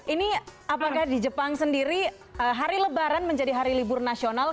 ini apakah di jepang sendiri hari lebaran menjadi hari libur nasional